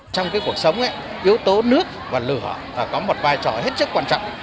trong cuộc sống yếu tố nước và lửa có một vai trò hết sức quan trọng